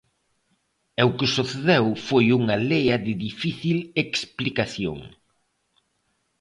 E o que sucedeu foi unha lea de difícil explicación.